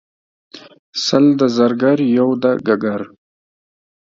سل د زرګر یو دګګر.